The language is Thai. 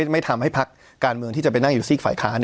ไม่ทำให้พักการเมืองที่จะไปนั่งอยู่ซีกฝ่ายค้าน